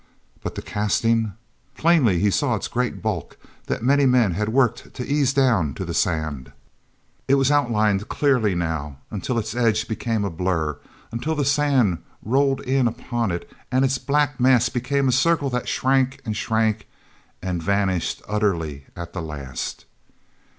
But the casting! Plainly he saw its great bulk that many men had worked to ease down to the sand. It was outlined clearly now until its edge became a blur, until the sand rolled in upon it, and its black mass became a circle that shrank and shrank and vanished utterly at the last.